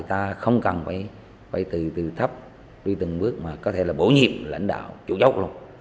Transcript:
ta không cần phải từ từ thấp đi từng bước mà có thể là bổ nhiệm lãnh đạo chủ chốt luôn